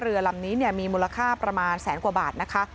เรือลำนี้มีมูลค่าประมาณแสนกว่าบาทนะคะ